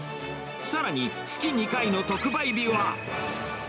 さらに、月２回の特売日は。